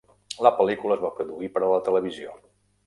La pel·lícula es va produir per a la televisió.